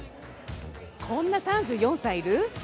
こんな３４歳いる？